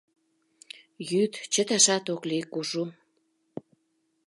Йӱд чыташат ок лий кужу.